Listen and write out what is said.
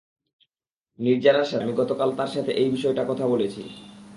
নির্জারার সাথে, আমি গতকাল তার সাথে এই বিষয়টা কথা বলেছি।